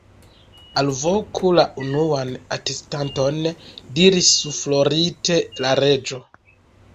"Alvoku la unuan atestanton," diris suflorite la Reĝo.